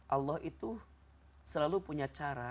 allah itu selalu punya cara